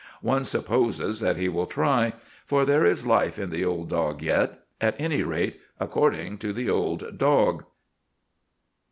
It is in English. One supposes that he will try; for there is life in the old dog yet, at any rate, according to the old dog.